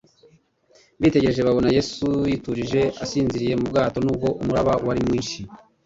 bitegereje babona Yesu yiturije asinzinye mu bwato, nubwo umuraba wari mwinshi.